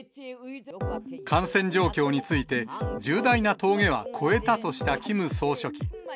感染状況について、重大な峠は越えたとしたキム総書記。